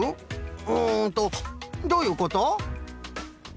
うんとどういうこと？